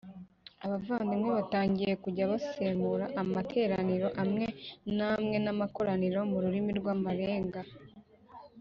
abavandimwe batangiye kujya basemura amateraniro amwe n amwe n amakoraniro mu rurimi rw amarenga